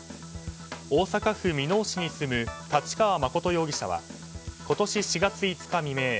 大阪府箕面市に住む太刀川誠容疑者は今年４月５日未明